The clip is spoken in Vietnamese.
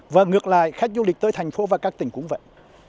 và ngược lại khách du lịch tới thành phố và các tỉnh cũng vậy